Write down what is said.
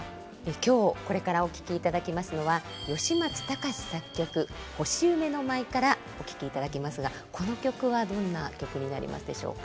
今日これからお聴きいただきますのは吉松隆作曲「星夢の舞」からお聴きいただきますがこの曲はどんな曲になりますでしょうか？